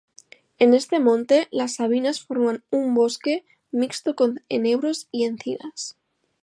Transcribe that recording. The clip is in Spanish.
En este monte, las sabinas forman una bosque mixto con enebros y encinas.